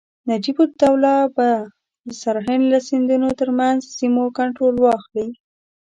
نجیب الدوله به د سرهند او سیندونو ترمنځ سیمو کنټرول واخلي.